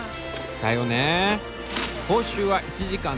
だよねえ。